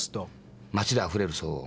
街であふれる騒音。